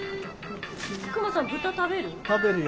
クマさん豚食べる？